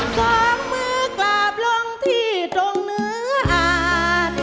สองมือกราบลงที่ตรงเนื้ออ่าน